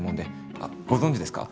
あっご存じですか？